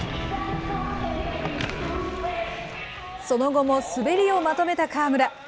その後も滑りをまとめた川村。